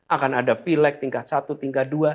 akan ada pileg tingkat satu tingkat dua